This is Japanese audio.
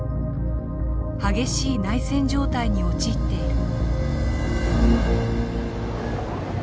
激しい内戦状態に陥っている。